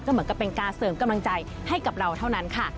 เหมือนกับเป็นการเสริมกำลังใจให้กับเราเท่านั้นค่ะ